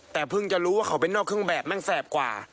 แต่เพิ่งจะรู้ว่าเขาเป็นนอกเครื่องแบบแม่งแสบกว่า